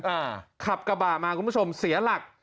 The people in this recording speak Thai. อ่าขับกระบะมาคุณผู้ชมเสียหลัก